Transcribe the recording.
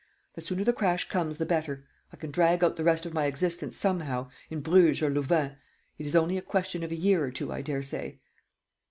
The sooner the crash comes the better; I can drag out the rest of my existence somehow, in Bruges or Louvain. It is only a question of a year or two, I daresay."